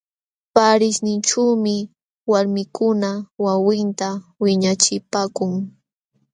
Paarishninćhuumi walmikuna wawinta wiñachipaakun.